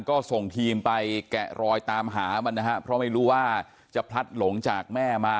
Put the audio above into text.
ก็ส่งทีมไปแกะรอยตามหามันนะฮะเพราะไม่รู้ว่าจะพลัดหลงจากแม่มา